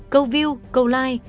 câu view câu like